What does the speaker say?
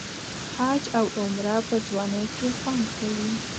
حج او عمره په ځوانۍ کې خوند کوي.